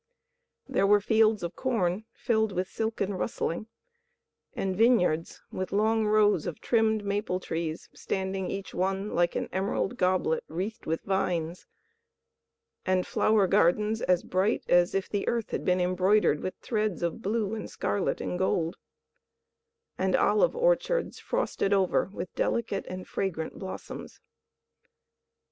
There were fields of corn, filled with silken rustling, and vineyards with long rows of trimmed maple trees standing each one like an emerald goblet wreathed with vines, and flower gardens as bright as if the earth had been embroidered with threads of blue and scarlet and gold, and olive orchards frosted over with delicate and fragrant blossoms.